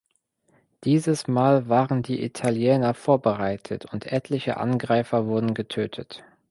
Dieses Mal waren die Italiener vorbereitet und etliche Angreifer wurde getötet.